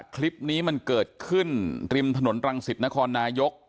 คลิปนี้มันเกิดขึ้นริมถนนรังสิตนครนายก